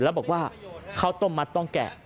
แล้วบอกว่าข้าวต้มมัดต้องแกะ